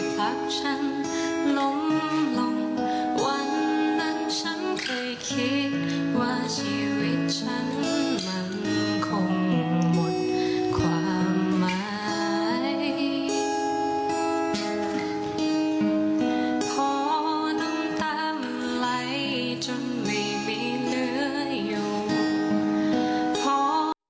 เพราะต่ำไหลจนไม่มีเหนือหย่วง